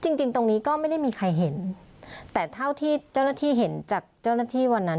จริงจริงตรงนี้ก็ไม่ได้มีใครเห็นแต่เท่าที่เจ้าหน้าที่เห็นจากเจ้าหน้าที่วันนั้น